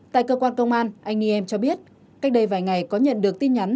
tại cơ quan công an anh y em cho biết cách đây vài ngày có nhận được tin nhắn